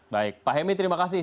baik pak hemi terima kasih